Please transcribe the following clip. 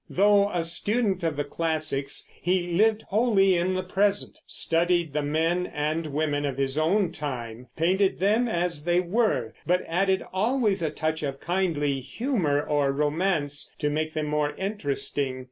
Though a student of the classics, he lived wholly in the present, studied the men and women of his own time, painted them as they were, but added always a touch of kindly humor or romance to make them more interesting.